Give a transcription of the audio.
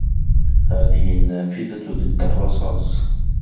هذه النافذة ضد الرصاص.